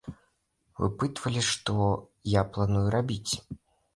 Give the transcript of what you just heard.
Выпытвалі, што я планую рабіць.